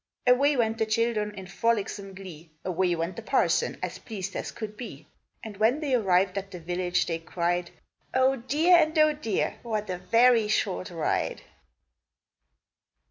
Away went the children, in frolicsome glee: Away went the parson, as pleased as could be. And when they arrived at the village, they cried, "Oh, dear! and oh, dear! what a very short ride!"